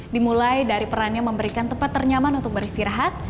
dimulai dari perannya memberikan tempat ternyaman untuk beristirahat